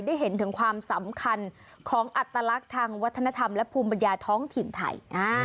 ได้เห็นถึงความสำคัญของอัตลักษณ์ทางวัฒนธรรมและภูมิปัญญาท้องถิ่นไทย